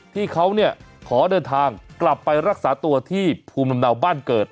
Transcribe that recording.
ที่เขาขอเดินทางกลับไปรักษาตัวที่ภูมิลำเนาบ้านเกิด